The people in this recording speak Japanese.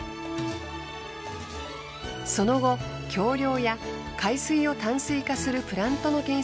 その後橋梁や海水を淡水化するプラントの建設にも